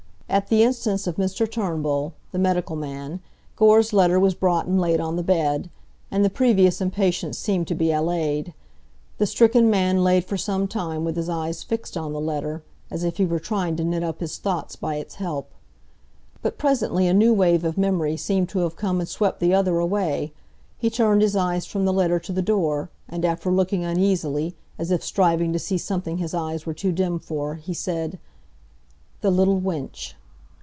At the instance of Mr Turnbull, the medical man, Gore's letter was brought and laid on the bed, and the previous impatience seemed to be allayed. The stricken man lay for some time with his eyes fixed on the letter, as if he were trying to knit up his thoughts by its help. But presently a new wave of memory seemed to have come and swept the other away; he turned his eyes from the letter to the door, and after looking uneasily, as if striving to see something his eyes were too dim for, he said, "The little wench."